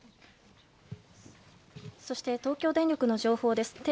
そして、東京電力の情報です。